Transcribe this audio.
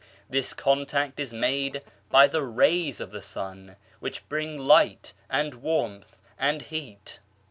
This contact is made by the rays of the sun which bring light and warmth and heat.